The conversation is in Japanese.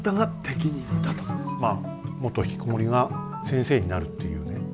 まあ元ひきこもりが先生になるっていうね